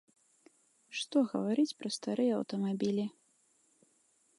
Што гаварыць пра старыя аўтамабілі.